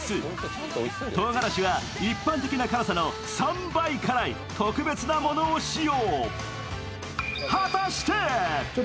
唐がらしは一般的な辛さの３倍辛い、特別なものを使用。